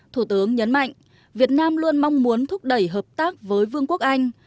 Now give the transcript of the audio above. thủ tướng nhấn mạnh việt nam luôn mong muốn thúc đẩy hợp tác với vương quốc anh